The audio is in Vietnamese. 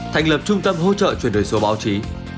thành lập trung tâm hỗ trợ chuyển đổi số báo chí